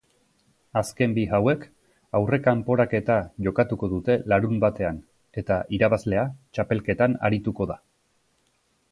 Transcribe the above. Azken bi hauek aurrekanporaketa jokatuko dute larunbatean eta irabazlea txapelketan arituko da.